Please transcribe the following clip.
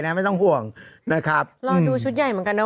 ไม่ต้องห่วงนะครับรอดูชุดใหญ่เหมือนกันเนอ